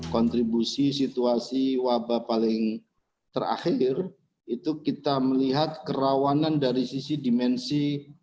kontribusi situasi wabah paling terakhir itu kita melihat kerawanan dari sisi dimensi